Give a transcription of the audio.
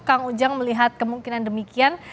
kang ujang melihat kemungkinan demikian